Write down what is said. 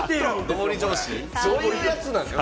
そういうやつなんですか？